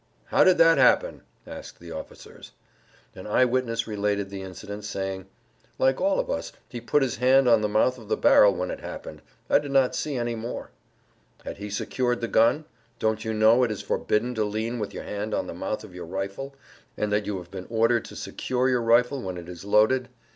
"How did that happen?" asked the officers. An eyewitness related the incident saying: "Like all of us he put his hand on the mouth of the barrel when it happened; I did not see any more." "Had he secured the gun? Don't you know that it is forbidden to lean with your hand on the mouth of your rifle and that you have been ordered to secure your rifle when it is loaded?"